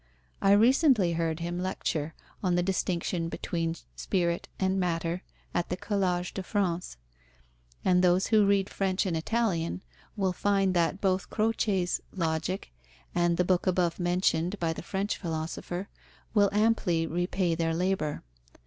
I recently heard him lecture on the distinction between spirit and matter at the Collège de France, and those who read French and Italian will find that both Croce's Logic and the book above mentioned by the French philosopher will amply repay their labour.